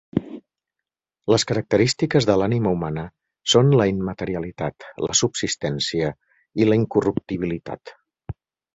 Les característiques de l'ànima humana són la immaterialitat, la subsistència i la incorruptibilitat.